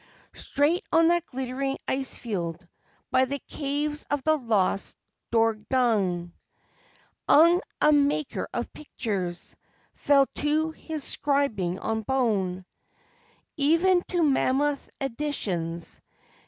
Straight on that glittering ice field, by the caves of the lost Dordogne, Ung, a maker of pictures, fell to his scribing on bone Even to mammoth editions.